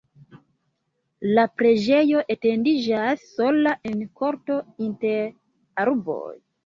La preĝejo etendiĝas sola en korto inter arboj.